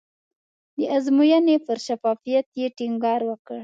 د ازموینې پر شفافیت یې ټینګار وکړ.